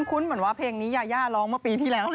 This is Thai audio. คุ้นเหมือนว่าเพลงนี้ยายาร้องเมื่อปีที่แล้ว